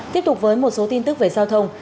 tiếp tục với một số tin tức về giao thông